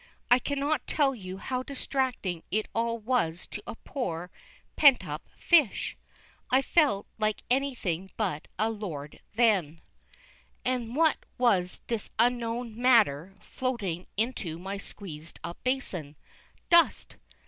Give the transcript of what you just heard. I cannot tell you how distracting it all was to a poor, pent up fish. I felt like anything but a "lord" then. And what was this unknown matter floating into my squeezed up basin? Dust!